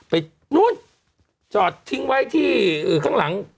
ไปนู่นจอดทิ้งไว้ที่ข้างหลัง